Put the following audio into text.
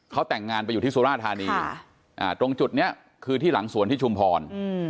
เขาแต่งงานไปอยู่ที่สุราธานีตรงจุดนี้คือที่หลังสวนที่ชุมพร